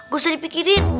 gak usah dipikirin